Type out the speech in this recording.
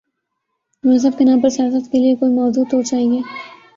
مذہب کے نام پر سیاست کے لیے کوئی موضوع تو چاہیے۔